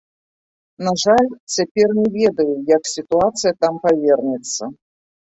На жаль, цяпер не ведаю, як сітуацыя там павернецца.